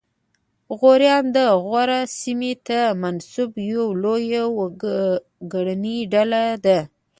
غوریان د غور سیمې ته منسوب یوه لویه وګړنۍ ډله ده